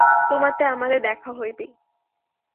তোমাতে আমাতে দেখা হইবেই।